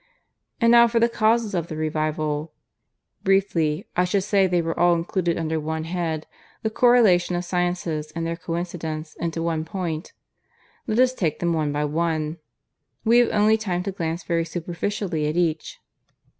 "And now for the causes of the revival. "Briefly, I should say they were all included under one head the correlation of sciences and their coincidence into one point. Let us take them one by one. We have only time to glance very superficially at each.